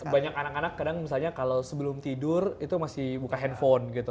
banyak anak anak kadang misalnya kalau sebelum tidur itu masih buka handphone gitu